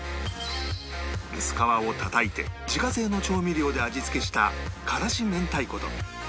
薄皮をたたいて自家製の調味料で味付けした辛子明太子と